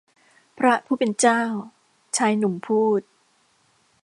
พระผู้เป็นเจ้า ชายหนุ่มพูด